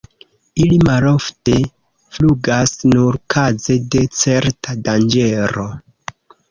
Ili malofte flugas, nur kaze de certa danĝero.